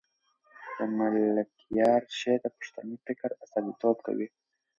د ملکیار شعر د پښتني فکر استازیتوب کوي.